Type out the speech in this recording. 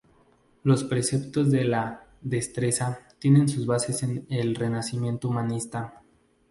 Los preceptos de la "Destreza" tienen sus bases en el renacimiento humanista.